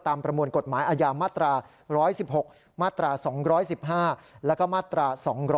ประมวลกฎหมายอาญามาตรา๑๑๖มาตรา๒๑๕แล้วก็มาตรา๒๗